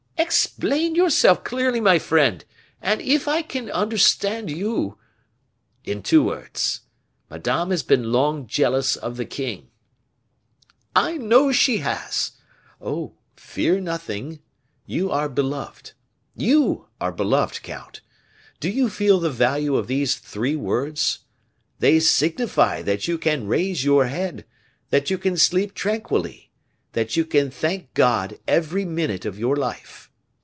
"Explain yourself clearly, my friend; and if I can understand you " "In two words. Madame has been long jealous of the king." "I know she has " "Oh! fear nothing you are beloved you are beloved, count; do you feel the value of these three words? They signify that you can raise your head, that you can sleep tranquilly, that you can thank God every minute of you life.